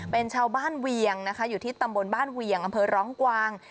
เป็นชาวบ้านเวียงนะคะอยู่ที่ตำบลบ้านเวียงอำเภอร้องกวาง